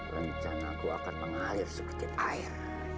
rencana aku akan mengalir seperti air